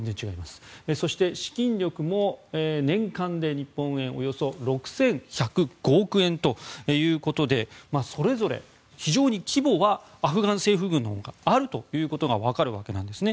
そして、資金力も年間で日本円およそ６１０５億円とそれぞれ非常に規模はアフガン政府軍のほうがあるということが分かるわけなんですね。